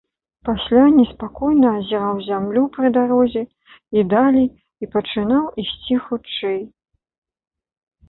Пасля неспакойна азіраў зямлю пры дарозе і далей і пачынаў ісці хутчэй.